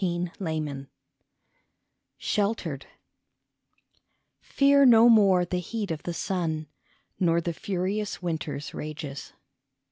SHELTERED 87 SHELTERED " Fear no more the heat of the sun, Nor the furious winter 's rages."